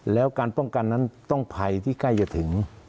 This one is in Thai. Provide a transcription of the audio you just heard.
แล้วการป้องกันนั้นต้องภัยที่ใกล้จะถึง